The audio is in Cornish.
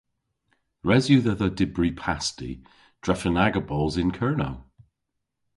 Res yw dhedha dybri pasti drefen aga bos yn Kernow.